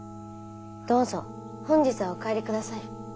どうぞ本日はお帰りください。